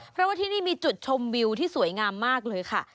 เพราะว่าที่นี่มีจุดชมวิวที่สวยงามมากเลยค่ะ